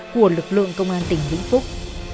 của lực lượng công an tỉnh vĩnh phúc